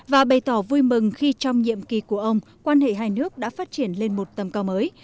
và bày tỏ vui mừng khi trong nhiệm kỳ của ông quan hệ hai nước đã phát triển lên một tầm cao mới